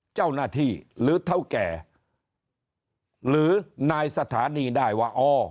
เจ้าหน้าที่หรือเท่าแก่หรือนายสถานีได้ว่าอ๋อ